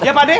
iya pak d